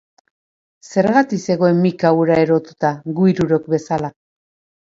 Zergatik zegoen mika hura erotuta, gu hirurok bezala.